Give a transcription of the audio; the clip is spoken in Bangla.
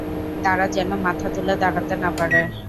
তারা যেন মাথা তুলে দাড়াতে না পারে।